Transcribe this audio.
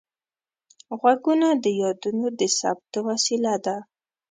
غوږونه د یادونو د ثبت وسیله ده